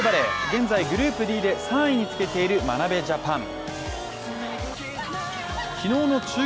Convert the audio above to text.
現在、グループＤで３位につけている眞鍋ジャパン。